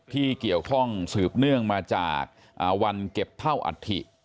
ที่เกี่ยวข้องสืบเนื่องมาจากวันเก็บเท่าอัฐิ